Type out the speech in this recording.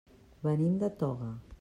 Venim de Toga.